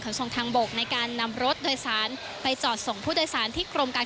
เปิดหน้าและไม้สาวจะได้แล้ว